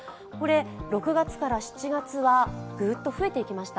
６月から７月はグッと増えていきました。